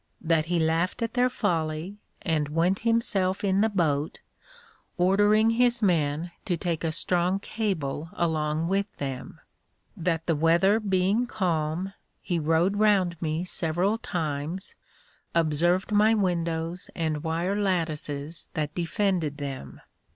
That he laughed at their folly, and went himself in the boat, ordering his men to take a strong cable along with them. That the weather being calm, he rowed round me several times, observed my windows and wire lattices that defended them.